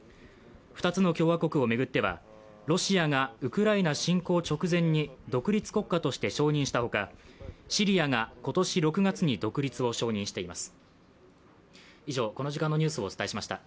２つの共和国を巡ってはロシアがウクライナ侵攻直前に独立国家として承認したほかシリアが今年６月に独立を承認しています。